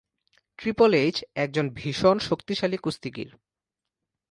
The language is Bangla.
ট্রিপল এইচ একজন ভীষণ শক্তিশালী কুস্তিগির।